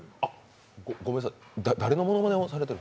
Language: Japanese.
ごめんなさい、誰のモノマネをされてる？